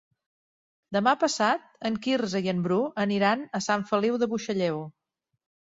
Demà passat en Quirze i en Bru aniran a Sant Feliu de Buixalleu.